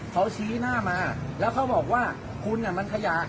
เขาชี้หน้ามาแล้วเขาบอกว่าคุณมันขยะ